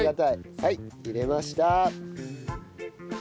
はい入れました。